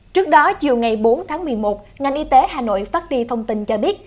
trước đó chiều ngày bốn tháng một mươi một ngành y tế hà nội phát đi thông tin cho biết